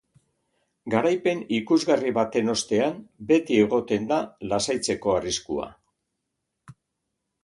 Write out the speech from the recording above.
Garaipen ikusgarri baten ostean beti egoten da lasaitzeko arriskua.